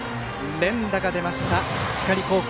連打が出ました光高校。